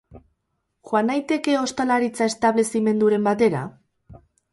Joan naiteke ostalaritza-establezimenduren batera?